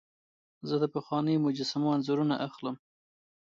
زه د پخوانیو مجسمو انځورونه اخلم.